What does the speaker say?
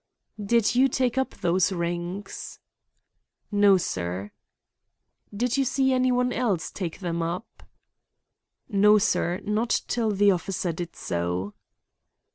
"Did you take up those rings?" "No, sir." "Did you see any one else take them up?" "No, sir; not till the officer did so."